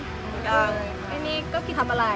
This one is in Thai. ไม่ได้